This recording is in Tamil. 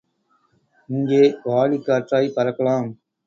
இங்கே வாடி காற்றாய்ப் பறக்கலாம்.